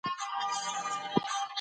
ټولنیز بدلونونه حتمي او ضروري دي.